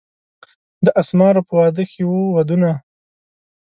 د اسمارو په وادي کښي وو ودونه